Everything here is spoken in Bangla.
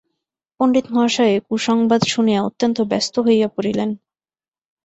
পণ্ডিতমহাশয় এ কুসংবাদ শুনিয়া অত্যন্ত ব্যস্ত হইয়া পড়িলেন।